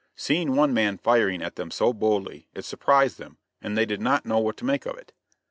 Seeing one man firing at them so boldly, it surprised them, and they did not know what to make of it.